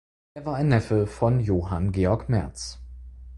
Er war ein Neffe von Johann Georg Merz.